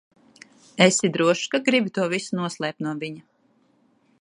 Esi drošs, ka gribi to visu noslēpt no viņa?